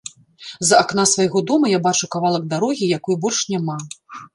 З акна свайго дома я бачу кавалак дарогі, якой больш няма.